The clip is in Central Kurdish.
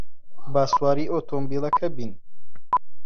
با سواری ئۆتۆمۆبیلەکە بین.